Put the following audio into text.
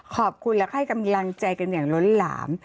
ขอบคุณและให้กำลังใจกันอย่างล้นหลาม